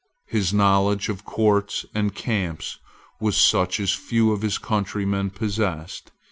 His knowledge of courts and camps was such as few of his countrymen possessed.